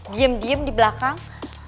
diem diem di belakang